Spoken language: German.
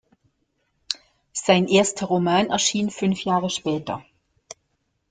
Sein erster Roman erschien fünf Jahre später.